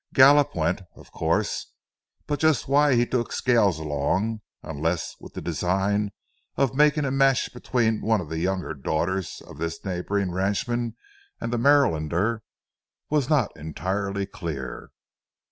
Gallup went, of course, but just why he took Scales along, unless with the design of making a match between one of the younger daughters of this neighboring ranchman and the Marylander, was not entirely clear.